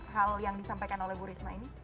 hal yang disampaikan oleh bu risma ini